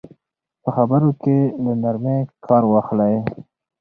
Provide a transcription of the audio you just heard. په خبرو کې له نرمۍ کار واخلئ.